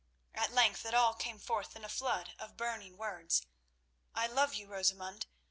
At length it all came forth in a flood of burning words. "I love you, Rosamund!